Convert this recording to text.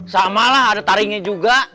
samalah ada taringnya juga